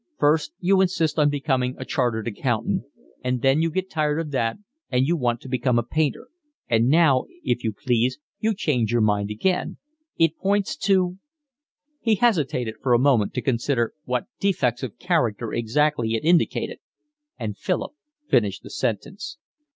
First you insist on becoming a chartered accountant, and then you get tired of that and you want to become a painter. And now if you please you change your mind again. It points to…" He hesitated for a moment to consider what defects of character exactly it indicated, and Philip finished the sentence.